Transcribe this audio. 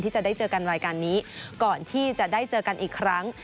จะได้เจอกันรายการนี้ก่อนที่จะได้เจอกันอีกครั้ง